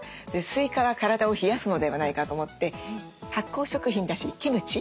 スイカは体を冷やすのではないかと思って発酵食品だしキムチ？